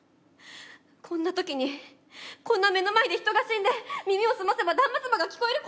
こんなときにこんな目の前で人が死んで耳を澄ませば断末魔が聞こえる